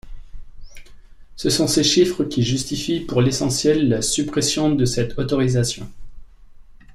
Ce sont ces chiffres qui justifient pour l’essentiel la suppression de cette autorisation.